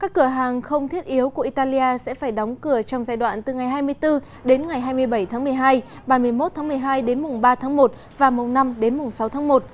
các cửa hàng không thiết yếu của italia sẽ phải đóng cửa trong giai đoạn từ ngày hai mươi bốn đến ngày hai mươi bảy tháng một mươi hai ba mươi một tháng một mươi hai đến mùng ba tháng một và mùng năm đến mùng sáu tháng một